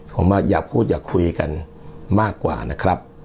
ผมอยากพูดอยากคุยกันมากกว่านะครับ